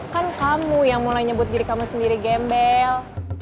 kan kamu yang mulai nyebut diri kamu sendiri gembel